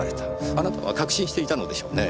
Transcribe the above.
あなたは確信していたのでしょうね。